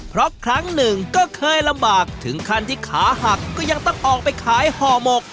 เพราะครั้งหนึ่งก็เคยลำบากถึงขั้นที่ขาหักก็ยังต้องออกไปขายห่อหมก